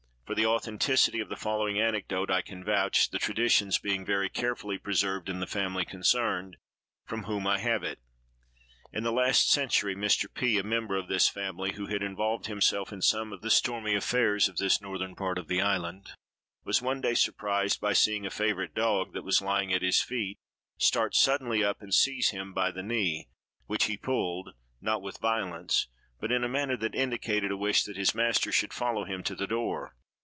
For the authenticity of the following anecdote I can vouch, the traditions being very carefully preserved in the family concerned, from whom I have it. In the last century, Mr. P——, a member of this family, who had involved himself in some of the stormy affairs of this northern part of the island, was one day surprised by seeing a favorite dog, that was lying at his feet, start suddenly up and seize him by the knee, which he pulled—not with violence, but in a manner that indicated a wish that his master should follow him to the door.